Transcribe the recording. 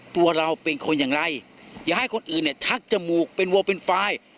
ตัวเราเป็นคนอย่างไรอย่าให้คนอื่นเนี่ยชักจมูกเป็นวัวเป็นไฟล์